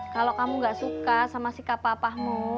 kalau kamu ga suka sama sikap papahmu